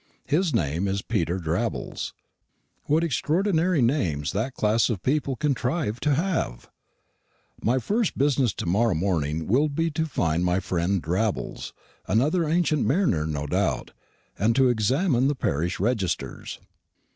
His name is Peter Drabbles. What extraordinary names that class of people contrive to have! My first business to morrow morning will be to find my friend Drabbles another ancient mariner, no doubt and to examine the parish registers.